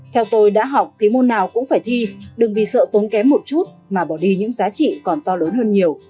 theo tôi đã học thì môn nào cũng phải thi đừng vì sợ tốn kém một chút mà bỏ đi những giá trị còn to lớn hơn nhiều